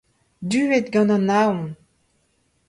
duet gant an naon